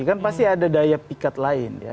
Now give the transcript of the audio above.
kan pasti ada daya pikat lain ya